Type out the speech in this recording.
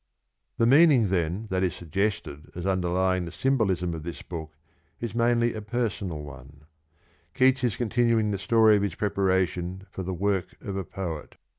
The meaning then that is suggested as underlying the symbolism of this book is mainly a personal one — Keats is continuing the story of his preparation for the work of a poet.